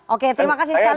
oke terima kasih sekali